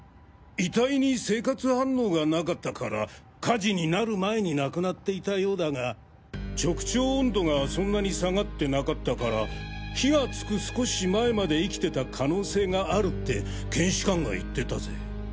遺体に生活反応がなかったから火事になる前に亡くなっていたようだが直腸温度がそんなに下がってなかったから火がつく少し前まで生きてた可能性があるって検視官が言ってたぜ。